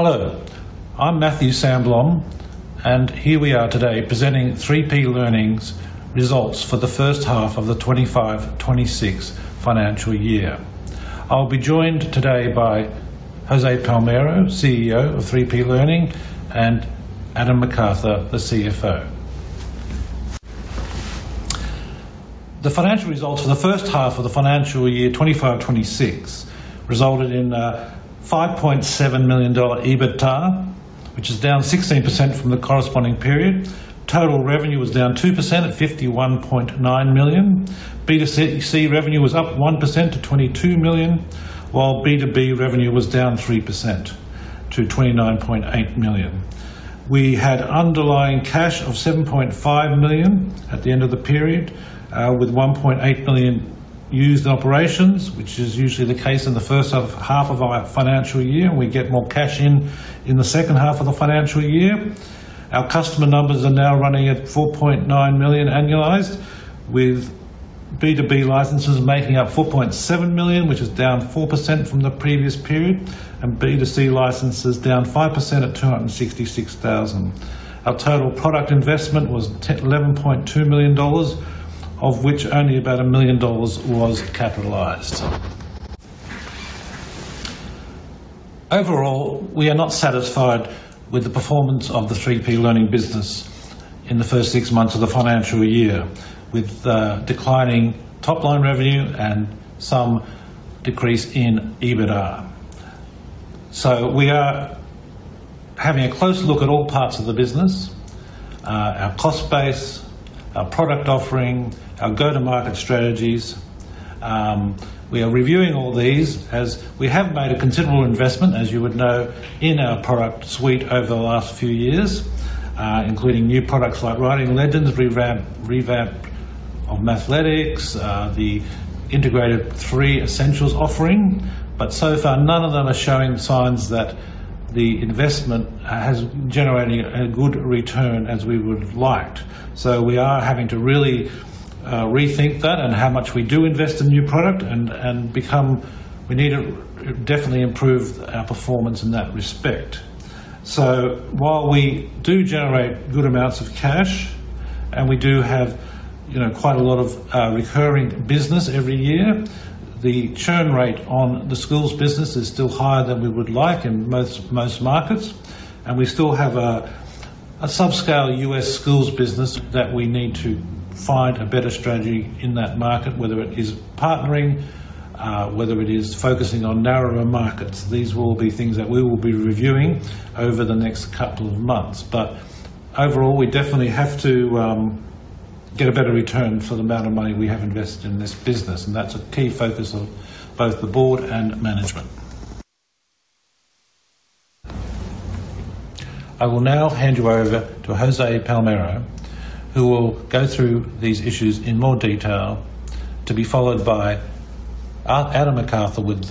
Hello, I'm Matthew Sandblom, and here we are today presenting 3P Learning's results for the first half of the 2025, 2026 financial year. I'll be joined today by José Palmero, CEO of 3P Learning, and Adam McArthur, the CFO. The financial results for the first half of the financial year, 2025/2026, resulted in a $5.7 million EBITDA, which is down 16% from the corresponding period. Total revenue was down 2% at $51.9 million. B2C revenue was up 1% to $22 million, while B2B revenue was down 3% to $29.8 million. We had underlying cash of 7.5 million at the end of the period, with 1.8 million used in operations, which is usually the case in the first half of our financial year, we get more cash in, in the second half of the financial year. Our customer numbers are now running at 4.9 million annualized, with B2B licenses making up 4.7 million, which is down 4% from the previous period, and B2C licenses down 5% at 266,000. Our total product investment was 11.2 million dollars, of which only about 1 million dollars was capitalized. Overall, we are not satisfied with the performance of the 3P Learning business in the first 6 months of the financial year, with declining top-line revenue and some decrease in EBITDA. We are having a close look at all parts of the business, our cost base, our product offering, our go-to-market strategies. We are reviewing all these as we have made a considerable investment, as you would know, in our product suite over the last few years, including new products like Writing Legends, Revamp of Mathletics, the integrated 3 Essentials offering. So far, none of them are showing signs that the investment has generated a good return as we would have liked. We are having to really rethink that and how much we do invest in new product. We need to definitely improve our performance in that respect. While we do generate good amounts of cash, and we do have, you know, quite a lot of recurring business every year. The churn rate on the schools business is still higher than we would like in most, most markets, and we still have a subscale U.S. schools business that we need to find a better strategy in that market, whether it is partnering, whether it is focusing on narrower markets. These will be things that we will be reviewing over the next couple of months. Overall, we definitely have to get a better return for the amount of money we have invested in this business. That's a key focus of both the board and management. I will now hand you over to José Palmero, who will go through these issues in more detail, to be followed by Adam McArthur, with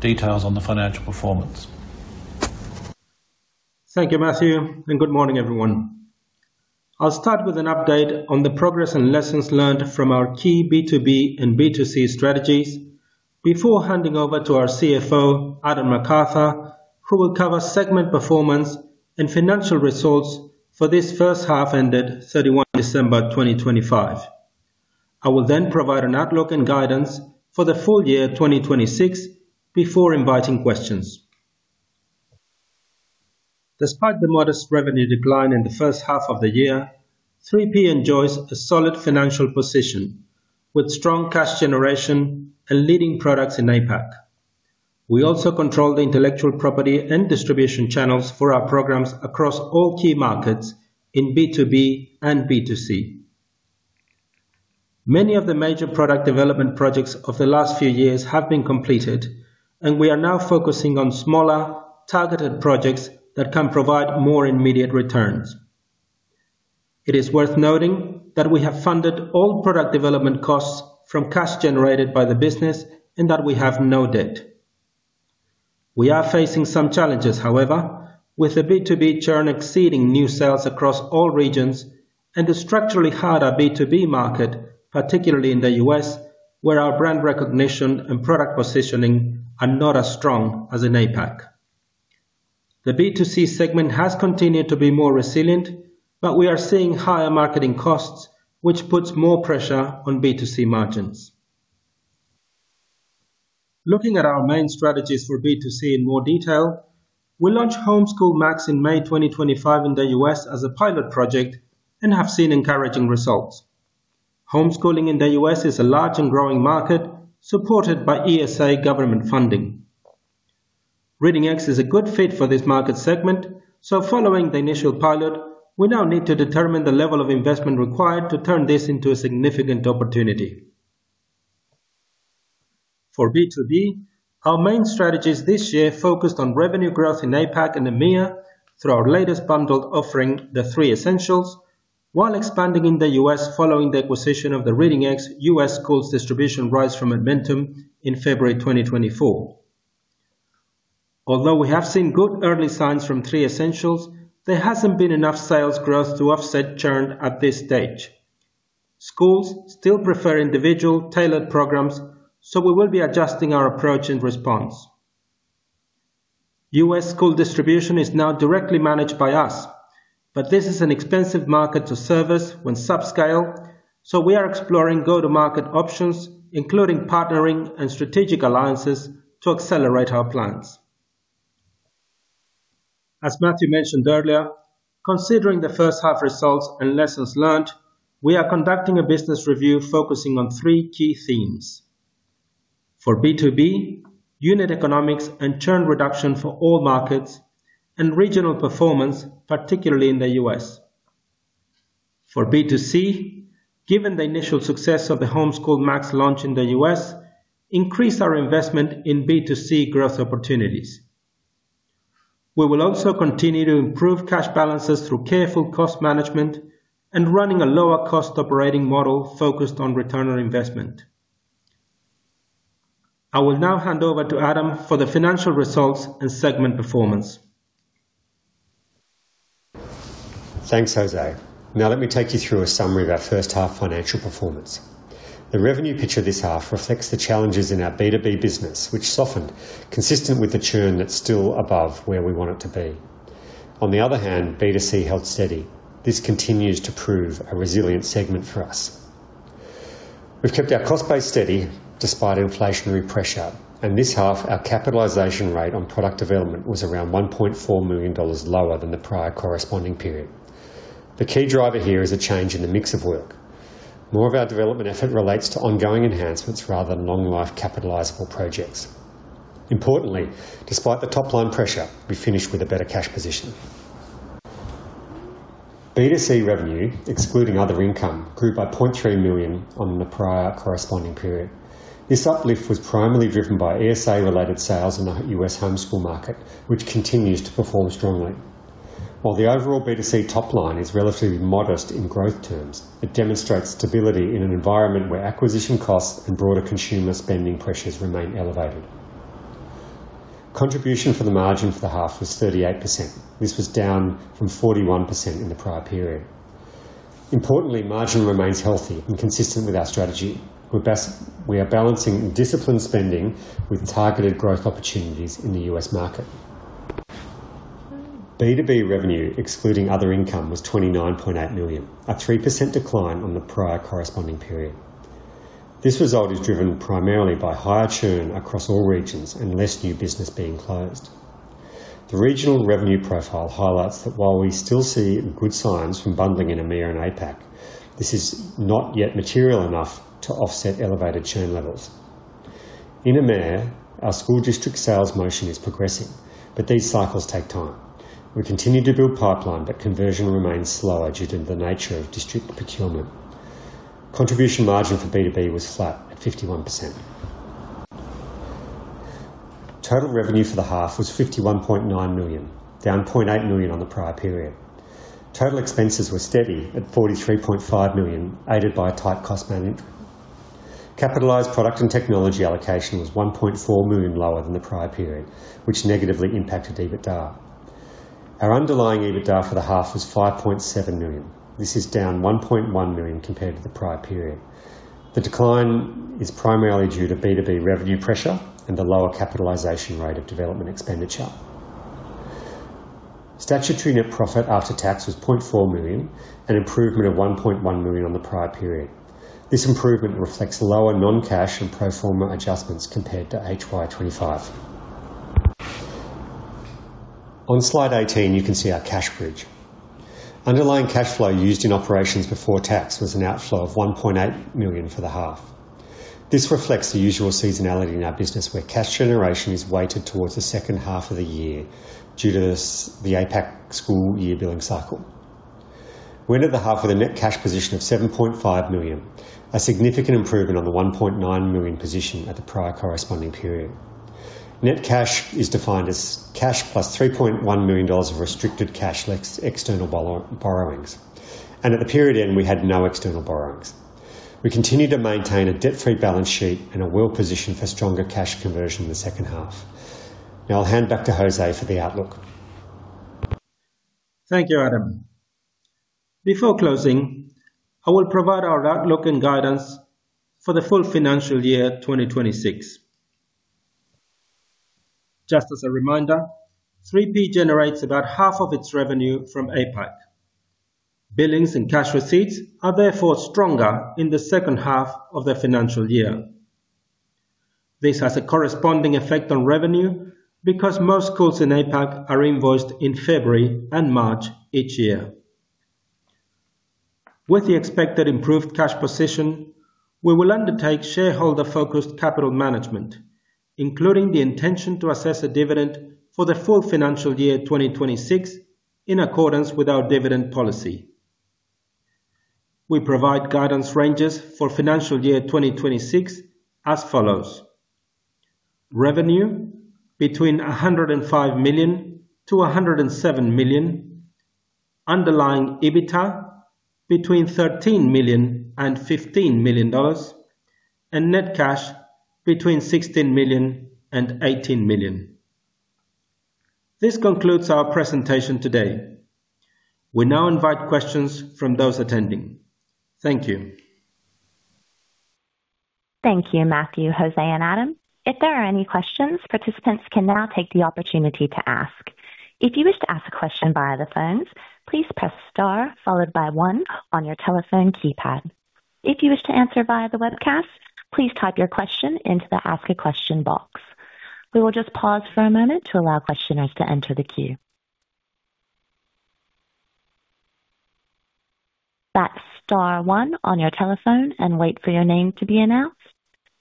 details on the financial performance. Thank you, Matthew, and good morning, everyone. I'll start with an update on the progress and lessons learned from our key B2B and B2C strategies before handing over to our CFO, Adam McArthur, who will cover segment performance and financial results for this first half, ended 31 December 2025. I will then provide an outlook and guidance for the full year 2026 before inviting questions. Despite the modest revenue decline in the first half of the year, 3P enjoys a solid financial position with strong cash generation and leading products in APAC. We also control the intellectual property and distribution channels for our programs across all key markets in B2B and B2C. Many of the major product development projects of the last few years have been completed, and we are now focusing on smaller, targeted projects that can provide more immediate returns. It is worth noting that we have funded all product development costs from cash generated by the business and that we have no debt. We are facing some challenges, however, with the B2B churn exceeding new sales across all regions and the structurally harder B2B market, particularly in the US, where our brand recognition and product positioning are not as strong as in APAC. The B2C segment has continued to be more resilient, but we are seeing higher marketing costs, which puts more pressure on B2C margins. Looking at our main strategies for B2C in more detail, we launched Homeschool Max in May 2025 in the US as a pilot project and have seen encouraging results. Homeschooling in the US is a large and growing market, supported by ESA government funding. Reading Eggs is a good fit for this market segment. Following the initial pilot, we now need to determine the level of investment required to turn this into a significant opportunity. For B2B, our main strategies this year focused on revenue growth in APAC and EMEA through our latest bundled offering, the three Essentials, while expanding in the US following the acquisition of the Reading Eggs' US schools distribution rights from Edmentum in February 2024. Although we have seen good early signs from three Essentials, there hasn't been enough sales growth to offset churn at this stage. Schools still prefer individual tailored programs, we will be adjusting our approach in response. US school distribution is now directly managed by us. This is an expensive market to service when subscale, we are exploring go-to-market options, including partnering and strategic alliances to accelerate our plans. As Matthew mentioned earlier, considering the first half results and lessons learned, we are conducting a business review focusing on three key themes. For B2B, unit economics and churn reduction for all markets and regional performance, particularly in the US. For B2C, given the initial success of the Homeschool Max launch in the US, increase our investment in B2C growth opportunities. We will also continue to improve cash balances through careful cost management and running a lower cost operating model focused on return on investment. I will now hand over to Adam for the financial results and segment performance. Thanks, José. Let me take you through a summary of our first half financial performance. The revenue picture this half reflects the challenges in our B2B business, which softened, consistent with the churn that's still above where we want it to be. On the other hand, B2C held steady. This continues to prove a resilient segment for us. We've kept our cost base steady despite inflationary pressure. This half, our capitalization rate on product development was around 1.4 million dollars lower than the prior corresponding period. The key driver here is a change in the mix of work. More of our development effort relates to ongoing enhancements rather than long-life capitalizable projects. Importantly, despite the top-line pressure, we finished with a better cash position. B2C revenue, excluding other income, grew by 0.3 million on the prior corresponding period. This uplift was primarily driven by ESA-related sales in the U.S. homeschool market, which continues to perform strongly. While the overall B2C top line is relatively modest in growth terms, it demonstrates stability in an environment where acquisition costs and broader consumer spending pressures remain elevated. Contribution for the margin for the half was 38%. This was down from 41% in the prior period. Importantly, margin remains healthy and consistent with our strategy. We are balancing disciplined spending with targeted growth opportunities in the U.S. market. B2B revenue, excluding other income, was $29.8 million, a 3% decline on the prior corresponding period. This result is driven primarily by higher churn across all regions and less new business being closed. The regional revenue profile highlights that while we still see good signs from bundling in EMEA and APAC, this is not yet material enough to offset elevated churn levels. In EMEA, our school district sales motion is progressing, but these cycles take time. We continue to build pipeline, but conversion remains slower due to the nature of district procurement. Contribution margin for B2B was flat at 51%. Total revenue for the half was $51.9 million, down $0.8 million on the prior period. Total expenses were steady at $43.5 million, aided by a tight cost management. Capitalized product and technology allocation was $1.4 million lower than the prior period, which negatively impacted EBITDA. Our underlying EBITDA for the half was $5.7 million. This is down $1.1 million compared to the prior period. The decline is primarily due to B2B revenue pressure and the lower capitalization rate of development expenditure. Statutory net profit after tax was 0.4 million, an improvement of 1.1 million on the prior period. This improvement reflects lower non-cash and pro forma adjustments compared to HY25. On slide 18, you can see our cash bridge. Underlying cash flow used in operations before tax was an outflow of 1.8 million for the half. This reflects the usual seasonality in our business, where cash generation is weighted towards the second half of the year due to the the APAC school year billing cycle. We're end of the half with a net cash position of 7.5 million, a significant improvement on the 1.9 million position at the prior corresponding period. Net cash is defined as cash plus 3.1 million dollars of restricted cash, external borrowings, and at the period end, we had no external borrowings. We continue to maintain a debt-free balance sheet and a well position for stronger cash conversion in the second half. Now I'll hand back to Jose for the outlook. Thank you, Adam. Before closing, I will provide our outlook and guidance for the full financial year 2026. Just as a reminder, 3P generates about half of its revenue from APAC. Billings and cash receipts are therefore stronger in the second half of the financial year. This has a corresponding effect on revenue because most schools in APAC are invoiced in February and March each year. With the expected improved cash position, we will undertake shareholder-focused capital management, including the intention to assess a dividend for the full financial year 2026 in accordance with our dividend policy. We provide guidance ranges for financial year 2026 as follows: revenue between $105 million to $107 million, underlying EBITDA between $13 million and $15 million, and net cash between $16 million and $18 million. This concludes our presentation today. We now invite questions from those attending. Thank you. Thank you, Matthew, José, and Adam. If there are any questions, participants can now take the opportunity to ask. If you wish to ask a question via the phone, please press star followed by one on your telephone keypad. If you wish to answer via the webcast, please type your question into the ask a question box. We will just pause for a moment to allow questioners to enter the queue. That's star one on your telephone and wait for your name to be announced.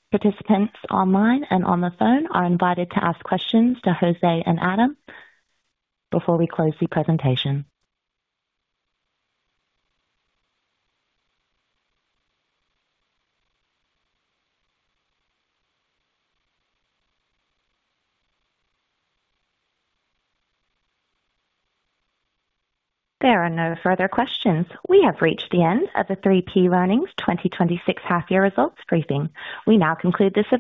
Participants online and on the phone are invited to ask questions to José and Adam before we close the presentation. There are no further questions. We have reached the end of the 3P Learning's 2026 half year results briefing. We now conclude this call.